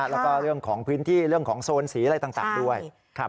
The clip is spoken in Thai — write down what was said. แล้วก็เรื่องของพื้นที่เรื่องของโซนสีอะไรต่างด้วย